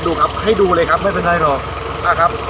ดูครับให้ดูเลยครับไม่เป็นไรหรอกนะครับ